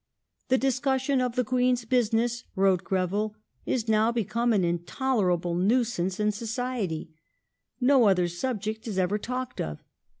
The discussion of the Queen's business," wrote Greville, " is now become an intolerable nuisance in society ; no other subject is ever talked of.